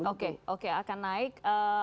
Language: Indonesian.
oke akan naik